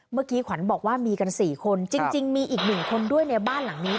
เมื่อกี้ขวัญบอกว่ามีกัน๔คนจริงมีอีก๑คนด้วยในบ้านหลังนี้